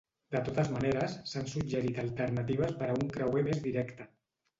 De totes maneres, s'han suggerit alternatives per a un creuer més directe.